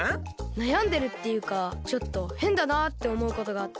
なやんでるっていうかちょっとへんだなっておもうことがあって。